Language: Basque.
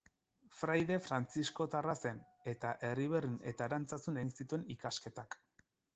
Fraide frantziskotarra zen, eta Erriberrin eta Arantzazun egin zituen ikasketak.